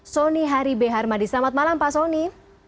soni hari b harmadi selamat malam pak soni